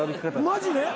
マジで？